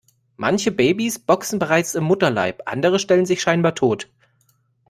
Manche Babys boxen bereits im Mutterleib, andere stellen sich scheinbar tot.